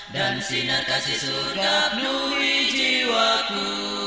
dan sinar kasih surga penuhi jiwaku